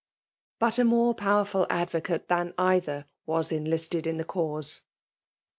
But a more powerful advocate than either was enlisted in the cause. Dr.